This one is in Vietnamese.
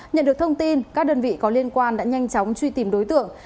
nhận được thông tin các đơn vị có liên quan đã nhanh chóng truy tìm đối tượng